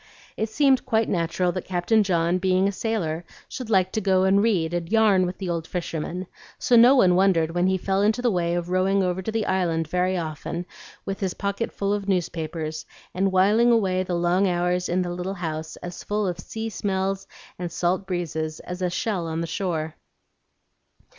It seemed quite natural that Captain John, being a sailor, should like to go and read and "yarn" with the old fisherman; so no one wondered when he fell into the way of rowing over to the Island very often with his pocket full of newspapers, and whiling away the long hours in the little house as full of sea smells and salt breezes as a shell on the shore.